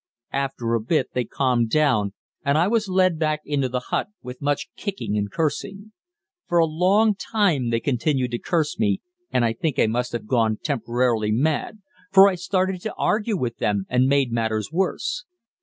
After a bit they calmed down and I was led back into the hut, with much kicking and cursing. For a long time they continued to curse me, and I think I must have gone temporarily mad, for I started to argue with them and made matters worse.